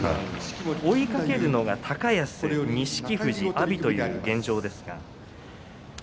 追いかけるのが高安錦富士、阿炎という現状ですが。